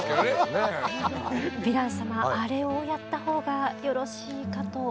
ヴィラン様あれをやったほうがよろしいかと。